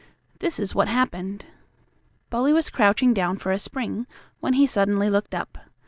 This is what happened: Bully was crouching down for a spring, when he suddenly looked up.